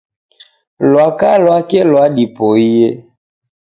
Lwaka lwake lwadipoie.